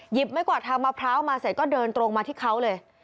ไม่กวาดทางมะพร้าวมาเสร็จก็เดินตรงมาที่เขาเลย